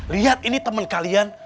lihat ini temen kalian